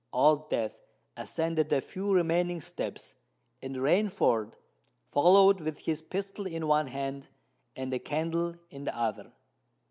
Old Death ascended the few remaining steps; and Rainford followed with his pistol in one hand and the candle in the other.